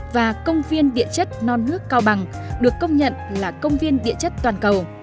và công viên địa chất non nước cao bằng được công nhận là công viên địa chất toàn cầu